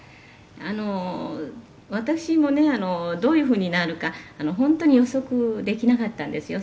「あの私もねどういう風になるか本当に予測できなかったんですよ」